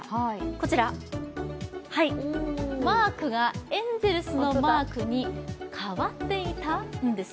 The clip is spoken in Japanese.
こちら、マークがエンゼルスのマークに変わっていたんです